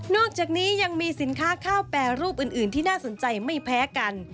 อกจากนี้ยังมีสินค้าข้าวแปรรูปอื่นที่น่าสนใจไม่แพ้กัน